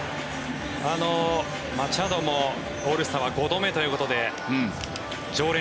マチャドもオールスターは５度目ということで常連。